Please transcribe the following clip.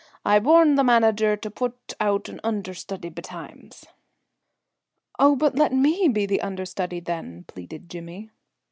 I'll warn the manager to put on an under study betimes." "Oh, but let me be the under study, then," pleaded Jimmy.